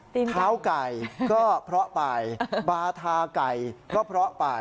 เท้าไก่ก็เพราะไปบาทาไก่ก็เพราะไป